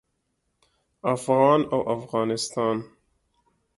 افغان او افغانستان